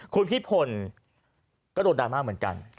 คุณพี่พลก็โดนดราม่าเหมือนกัน